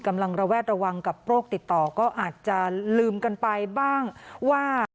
ระแวดระวังกับโรคติดต่อก็อาจจะลืมกันไปบ้างว่า